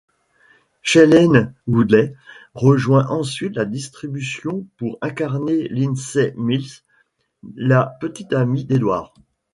Shailene Woodley rejoint ensuite la distribution pour incarner Lindsay Mills, la petite-amie d'Edward.